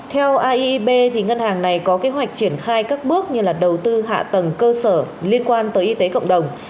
theo aib ngân hàng này có kế hoạch triển khai các bước như đầu tư hạ tầng cơ sở liên quan tới y tế cộng đồng